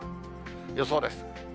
予想です。